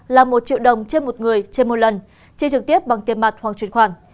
là một triệu đồng trên một người trên một lần chi trực tiếp bằng tiền mặt hoặc chuyển khoản